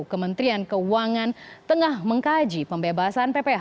kementerian keuangan tengah mengkaji pembebasan pph